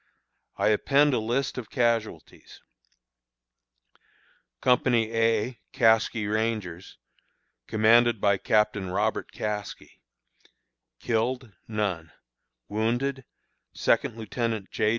I append a list of casualties: Company A (Caskie Rangers), commanded by Captain Robert Caskie. Killed: None. Wounded: Second Lieutenant J.